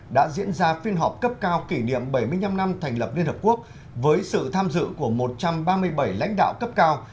đã diễn ra phiên họp cấp cao kỷ niệm bảy mươi năm năm thành lập liên hợp quốc với sự tham dự của một trăm ba mươi bảy lãnh đạo cấp cao